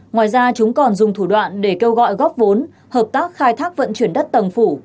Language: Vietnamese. ngoài ra chúng còn dùng thủ đoạn để kêu gọi góp vốn hợp tác khai thác vận chuyển đất tầng phủ